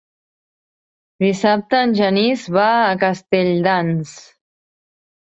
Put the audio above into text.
Dissabte en Genís va a Castelldans.